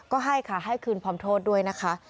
ก็ให้ค่ะให้คืนพร้อมโทษด้วยนะคะ